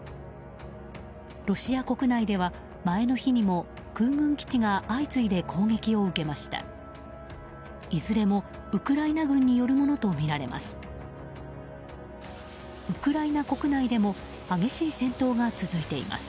ロシア国内では前の日にも空軍基地が相次いで攻撃を受けました。